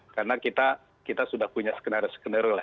karena kita sudah punya skenario skenario